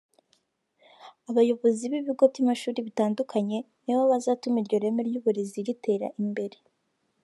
Abayobozi b’ibigo by’amashuri bitandukanye nibo bazatuma iryo reme ry’uburezi ritera imbere